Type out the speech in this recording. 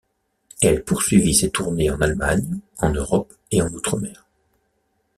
Elle poursuivit ses tournées en Allemagne, en Europe et Outre-mer.